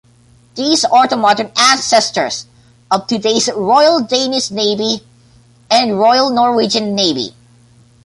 These are the modern ancestors of today's Royal Danish Navy and Royal Norwegian Navy.